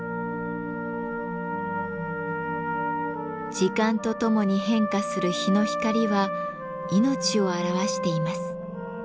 時間とともに変化する日の光は命を表しています。